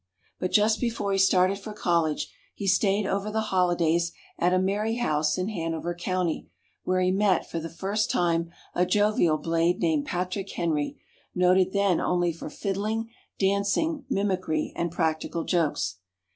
But just before he started for college, he stayed over the holidays at a merry house in Hanover County, where he met, for the first time, a jovial blade named Patrick Henry, noted then only for fiddling, dancing, mimicry, and practical jokes.